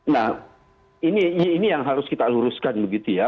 nah ini yang harus kita luruskan begitu ya